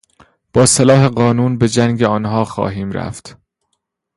با سلاح قانون به جنگ آنها خواهیم رفت.